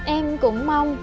em cũng mong